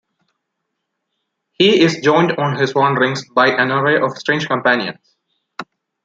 He is joined on his wanderings by an array of strange companions.